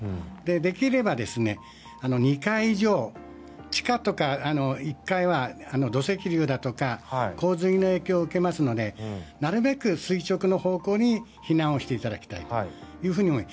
できれば、２階以上地下とか１階は土石流だとか洪水の影響を受けますのでなるべく垂直の方向に避難をしていただきたいと思います。